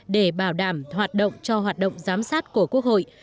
để bảo đảm hoạt động cho hoạt động giám sát của quốc hội